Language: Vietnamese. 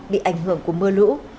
bị ảnh hưởng của mưa lũ